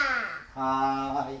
はい。